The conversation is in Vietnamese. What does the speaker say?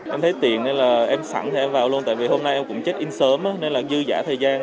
em thấy tiền nên là em sẵn thì em vào luôn tại vì hôm nay em cũng chết in sớm nên là dư giả thời gian